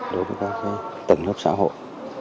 đối với các cái tầng lớp xã hội